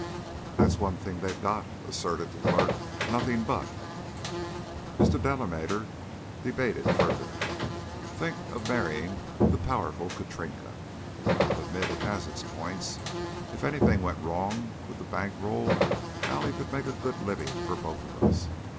"That's one thing they've got," asserted the clerk. "Nothing but!" Mr. Delamater debated further. "Think of marrying The Powerful Katrinka! I'll admit it has its points. If anything went wrong with the bank roll Allie could make a good living for both of us.